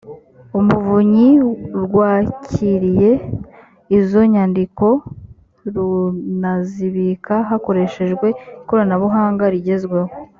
umuvunyi rwakiriye izo nyandiko runazibika hakoreshejwe ikoranabuhanga rigezweho